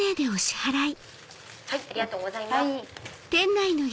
ありがとうございます。